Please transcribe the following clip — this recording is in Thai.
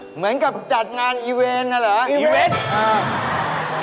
เหมือนกับนางจัดงานเอเวรต์ไงเหรอ